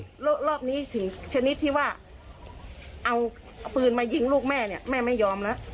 แล้วรอบนี้สิ่งชนิดที่ว่าเอาปืนมายิงลูกแม่เนี่ยแม่ไม่ยอมแล้ว